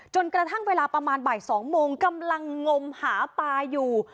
จนกระทั่งเวลาประมาณบ่าย๒โมงกำลังงมหาปลาอยู่